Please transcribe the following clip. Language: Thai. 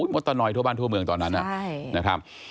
มดตะนอยทั่วบ้านทั่วเมืองตอนนั้นนะครับ